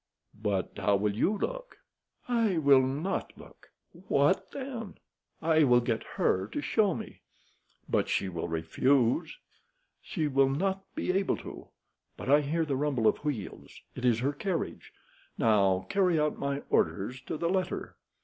"But how will you look?" "I will not look." "What then?" "I will get her to show me." "But she will refuse." "She will not be able to. But I hear the rumble of wheels. It is her carriage. Now carry out my orders to the letter."